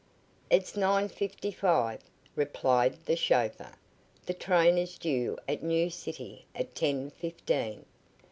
"It's nine fifty five," replied the chauffeur. "The train is due at New City at ten fifteen."